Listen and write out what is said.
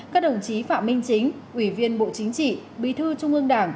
các đồng chí phạm minh chính ủy viên bộ chính trị bí thư trung ương đảng